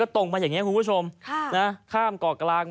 แต่อย่างนี้คุณผู้ชมข้ามกรอกกลาง